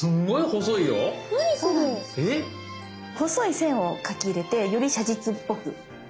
細い線を描き入れてより写実っぽくしました。